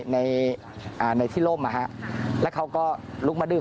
แต่ตอนนี้ติดต่อน้องไม่ได้